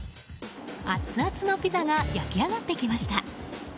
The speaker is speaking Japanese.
アッツアツのピザが焼き上がってきました。